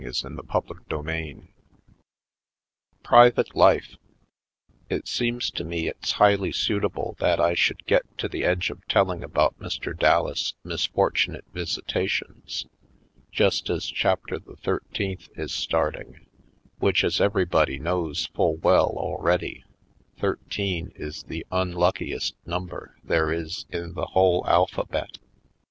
Private Life 167 CHAPTER XIII Private Life IT seems to me it's highly suitable that I should get to the edge of telling about Mr. Dallas' misfortunate visitations just as Chapter the Thirteenth is starting, which, as everybody knows full well al ready, thirteen is the unluckiest number there is in the whole alphabet.